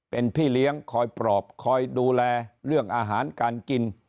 เป็นพี่เลี้ยงคอยปลอบคอยดูแลเรื่องอาหารการกิน